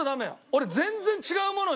俺全然違うもの